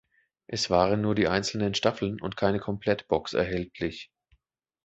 Es waren nur die einzelnen Staffeln und keine Komplettbox erhältlich.